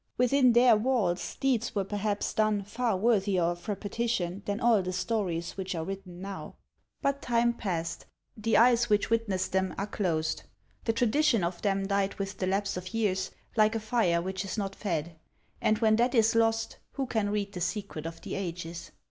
Within their walls deeds were perhaps done far worthier of repeti tion than all the stories which are written now ; but time passed ; the eyes which witnessed them are closed ; the tradition of them died with the lapse of years, like a fire which is not fed ; and when that is lost, who can read the secret of the ages